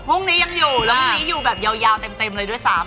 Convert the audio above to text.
พรุ่งนี้ยังอยู่แล้วพรุ่งนี้อยู่แบบยาวเต็มเลยด้วยซ้ำ